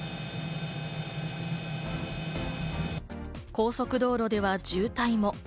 高速道路では渋滞も。